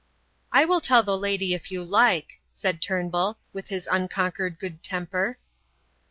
"I will tell the lady if you like," said Turnbull, with his unconquered good temper.